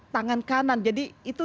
tangan kanan jadi itu